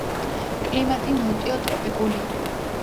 კლიმატი ნოტიო ტროპიკულია.